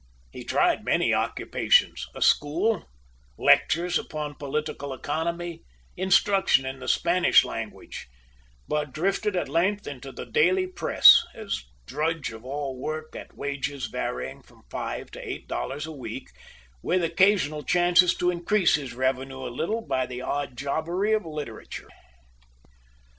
He tried many occupations, a school, lectures upon political economy, instruction in the Spanish language; but drifted at length into the daily press as drudge of all work, at wages varying from five to eight dollars a week, with occasional chances to increase his revenue a little by the odd jobbery of literature.